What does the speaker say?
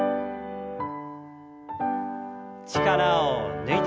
力を抜いて。